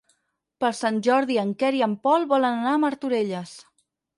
Per Sant Jordi en Quer i en Pol volen anar a Martorelles.